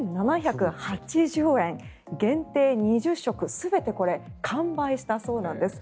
１７８０円限定２０食全て完売したそうなんです。